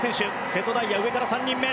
瀬戸大也、上から３人目。